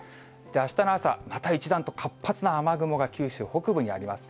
あしたの朝、また一段と活発な雨雲が九州北部にあります。